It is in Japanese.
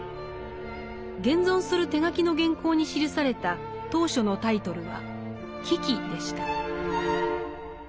現存する手書きの原稿に記された当初のタイトルは「危機」でした。